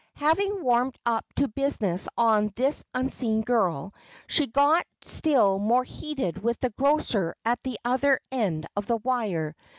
Having warmed up to business on this unseen girl, she got still more heated with the grocer at the other end of the wire.